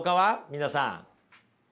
皆さん。